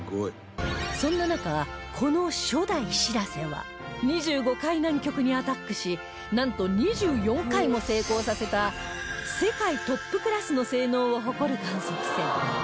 そんな中この初代しらせは２５回南極にアタックしなんと２４回も成功させた世界トップクラスの性能を誇る観測船